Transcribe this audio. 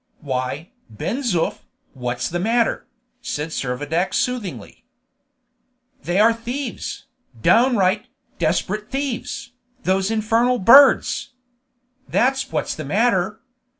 "Why, Ben Zoof, what's the matter?" said Servadac soothingly. "They are thieves! downright, desperate thieves! those infernal birds! That's what's the matter.